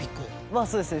まぁそうですね。